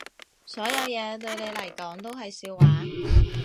所有嘢對你嚟講都係笑話